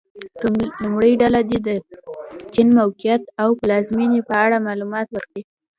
لومړۍ ډله دې د چین موقعیت او پلازمېنې په اړه معلومات ورکړي.